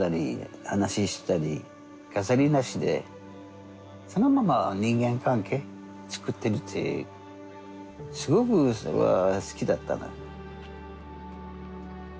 飾りなしでそのまま人間関係つくってるってすごくそれは好きだったの。